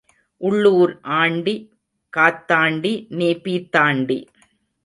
உள்ளூர் ஆண்டி காத்தாண்டி நீ பீத்தாண்டி.